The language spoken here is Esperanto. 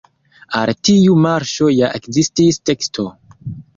Al tiu marŝo ja ekzistis teksto.